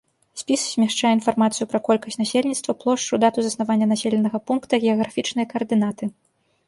Спіс змяшчае інфармацыю пра колькасць насельніцтва, плошчу, дату заснавання населенага пункта, геаграфічныя каардынаты.